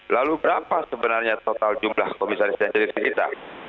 lalu berapa sebenarnya total jumlah komisaris dan direksi kita